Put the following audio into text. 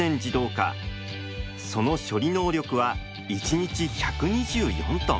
その処理能力は１日１２４トン。